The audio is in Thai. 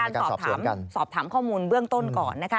สอบถามสอบถามข้อมูลเบื้องต้นก่อนนะคะ